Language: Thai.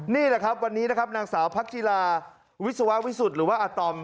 นี่แหละครับวันนี้นะครับนางสาวพักจิลาวิศววิสุทธิ์หรือว่าอาตอม